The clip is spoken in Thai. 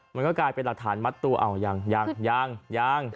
มันก็กลายเป็นหลักฐานมัดตัวอ้าวยังยัง